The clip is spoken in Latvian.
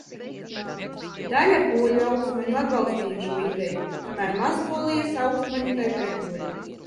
Daļa poļu augstmaņu atbalstīja šo ideju, kamēr Mazpolijas augstmaņi tai pretojās.